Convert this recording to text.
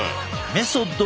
メソッド